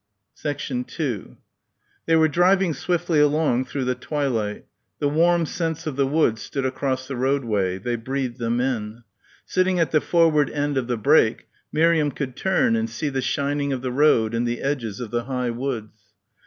2 They were driving swiftly along through the twilight. The warm scents of the woods stood across the roadway. They breathed them in. Sitting at the forward end of the brake, Miriam could turn and see the shining of the road and the edges of the high woods.